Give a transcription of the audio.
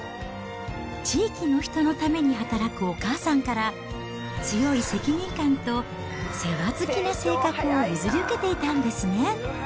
地域の人のために働くお母さんから、強い責任感と世話好きな性格を譲り受けていたんですね。